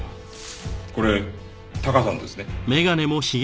これタカさんですね？